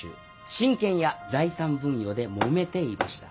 親権や財産分与で揉めていました。